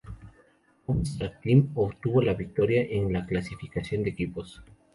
Movistar Team obtuvo la victoria en la clasificación de equipos.